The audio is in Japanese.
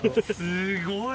すごい。